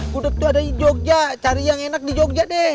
gudeg itu ada di jogja cari yang enak di jogja deh